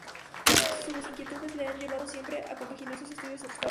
Sus inquietudes le han llevado siempre a compaginar sus estudios con otros trabajos.